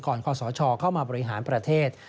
คอสชเข้ามาบริหารประเทศ